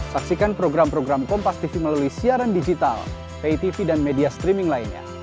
saksikan program program kompas tv melalui siaran digital pay tv dan media streaming lainnya